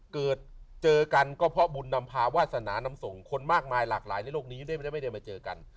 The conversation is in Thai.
เกิดเจอกันก็เพราะบุญนำพาวาสนานำส่งคนมากมายหลากหลายในโลกนี้ด้วยมันจะไม่ได้มาเจอกัน